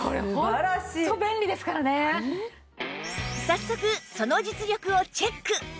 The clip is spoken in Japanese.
早速その実力をチェック！